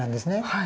はい。